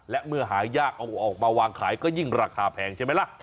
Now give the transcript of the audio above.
และเมื่อหายากเอาออกมาวางขายก็ยิ่งราคาแพงใช่ไหมล่ะ